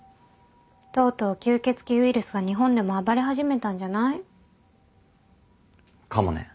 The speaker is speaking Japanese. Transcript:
とうとう吸血鬼ウイルスが日本でも暴れ始めたんじゃない？かもね。